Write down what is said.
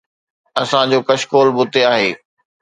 اسان جو ڪشڪول به اتي آهي.